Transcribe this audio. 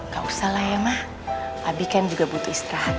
gak usah lah ya ma abi kan juga butuh istirahat